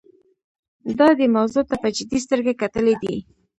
دا دې موضوع ته په جدي سترګه کتلي دي.